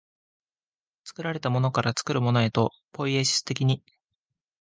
作られたものから作るものへと、ポイエシス的に、